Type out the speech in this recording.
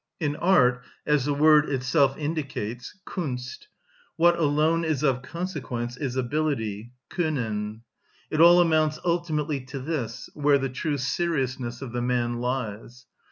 In art, as the word itself indicates (Kunst), what alone is of consequence is ability (Können). It all amounts ultimately to this, where the true seriousness of the man lies.